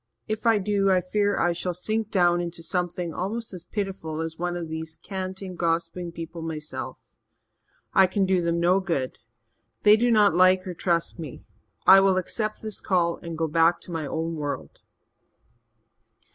If I do, I fear I shall sink down into something almost as pitiful as one of these canting, gossiping people myself. I can do them no good they do not like or trust me. I will accept this call and go back to my own world."